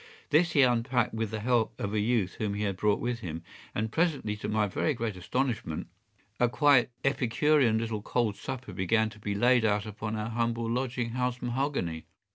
This he unpacked with the help of a youth whom he had brought with him, and presently, to my very great astonishment, a quite epicurean little cold supper began to be laid out upon our humble lodging house mahogany.